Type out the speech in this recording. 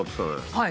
はい。